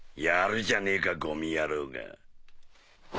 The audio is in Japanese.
やるじゃねえかゴミ野郎が。